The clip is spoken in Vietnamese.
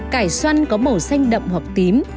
cải xoăn có màu xanh đậm hoặc tím